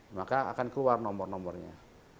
maka akan keluar nomor nomornya